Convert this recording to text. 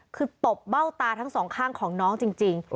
คือตบเบ้าตาทั้งสองข้างของน้องจริง